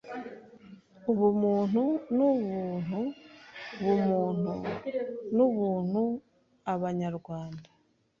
Ubumuntu n’ubuntu bumuntu n’ubuntu Abanyarwanda